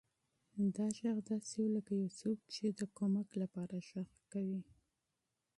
دا غږ داسې و لکه یو څوک چې د مرستې لپاره غږ کوي.